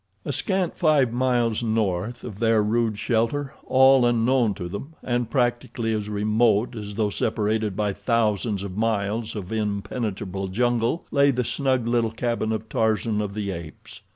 A scant five miles north of their rude shelter, all unknown to them, and practically as remote as though separated by thousands of miles of impenetrable jungle, lay the snug little cabin of Tarzan of the Apes.